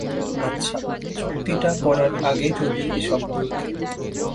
আচ্ছা, চুক্তিটা করার আগেই যদি এসব বলতে!